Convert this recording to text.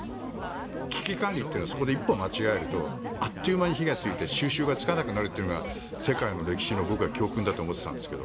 危機管理ってそこで一歩間違えるとあっという間に火が付いて収拾がつかなくなるのが世界の歴史の教訓だと僕は思ってたんですが。